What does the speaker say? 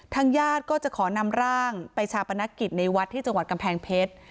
ญาติก็จะขอนำร่างไปชาปนกิจในวัดที่จังหวัดกำแพงเพชร